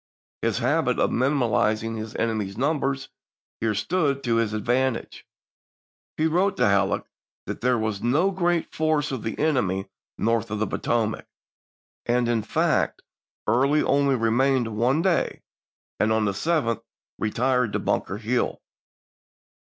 His habit of minimizing his enemy's numbers here stood to his advantage. He wrote to Halleck that there was "no great force of the enemy north of the Potomac "; and, in fact, Early only remained one day, and on the 7th retired to Bunker Hill.